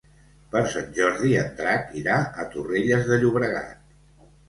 Per Sant Jordi en Drac irà a Torrelles de Llobregat.